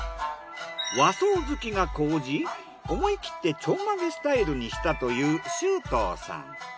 和装好きが高じ思い切ってちょんまげスタイルにしたという周東さん。